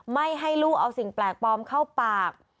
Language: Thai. ไม่ให้ลูกเอาสิ่งแปลกปลอมเข้าปาก